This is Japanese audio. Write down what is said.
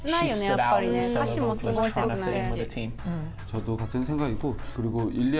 やっぱりね歌詞もすごい切ないし。